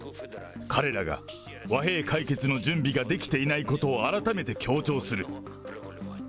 彼らが和平解決の準備ができていないことを改めて強調する。